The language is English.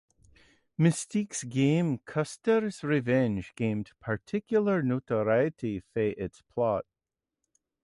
Mystique's game "Custer's Revenge" gained particular notoriety for its plot.